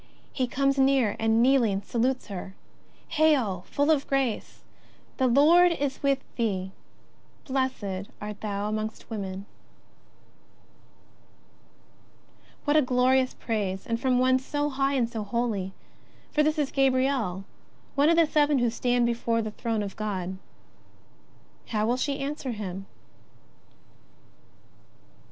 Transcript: He comes near, and, kneeling, salutes her :" Hail, full of grace, the Lord is with thee : blessed art thou amongst women !" What glorious praise, and from one so high and holy! For this is Gabriel, one of the seven who stand before God. How will she answer him